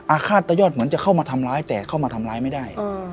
ฆาตยอดเหมือนจะเข้ามาทำร้ายแต่เข้ามาทำร้ายไม่ได้